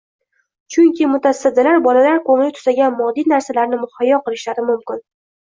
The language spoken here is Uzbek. Chunki, mutasaddilar bolalar ko‘ngli tusagan moddiy narsalarni muhayyo qilishlari mumkin